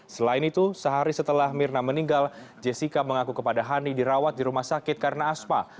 selain itu sehari setelah mirna meninggal jessica mengaku kepada hani dirawat di rumah sakit karena aspa